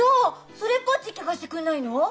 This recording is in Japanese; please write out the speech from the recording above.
それっぽっちっきゃ貸してくんないの？